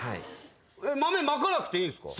豆まかなくていいんすか？